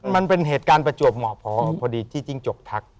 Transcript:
มันเป็นเหตุการณ์ประจวบเหมาะพอพอดีที่จิ้งจกทัก